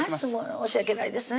申し訳ないですね